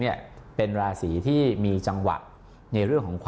มีเกณฑ์จะได้สละตังค์